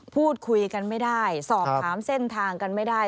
พูดคุยกันไม่ได้สอบถามเส้นทางกันไม่ได้